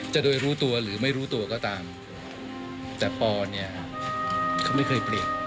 จะโดยรู้ตัวหรือไม่รู้ตัวก็ตามแต่ปอเนี่ยเขาไม่เคยเปลี่ยน